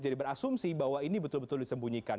jadi berasumsi bahwa ini betul betul disembunyikan